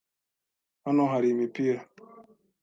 Hano hari imipira?